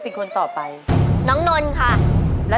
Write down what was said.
ขอเชิญแสงเดือนมาต่อชีวิต